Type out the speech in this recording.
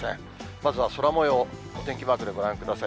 まずは空もよう、お天気マークでご覧ください。